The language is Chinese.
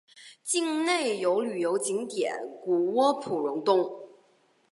境内有旅游景点谷窝普熔洞。